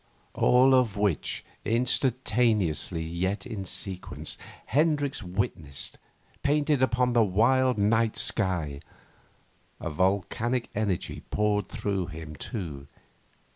All of which, instantaneously yet in sequence, Hendricks witnessed, painted upon the wild night sky. A volcanic energy poured through him too.